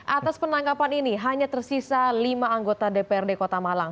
atas penangkapan ini hanya tersisa lima anggota dprd kota malang